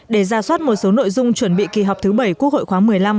để ra soát một số nội dung chuẩn bị kỳ họp thứ bảy quốc hội khoáng một mươi năm